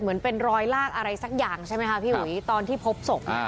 เหมือนเป็นรอยลากอะไรสักอย่างใช่ไหมคะพี่อุ๋ยตอนที่พบศพ